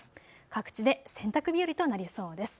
各地で洗濯日和となりそうです。